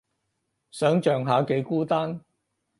想像下幾孤單